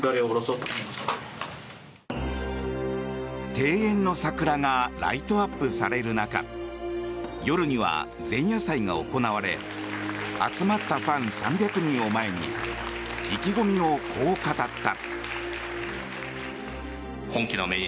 庭園の桜がライトアップされる中夜には前夜祭が行われ集まったファン３００人を前に意気込みをこう語った。